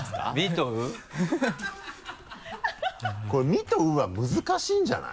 「み」と「う」は難しいんじゃない？